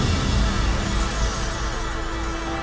saya terima kasih nyai